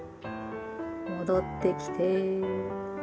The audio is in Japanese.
戻ってきて。